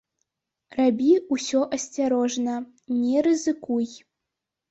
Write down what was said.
Рабі ўсё асцярожна, не рызыкуй.